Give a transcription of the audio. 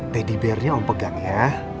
teddy barnya om pegang ya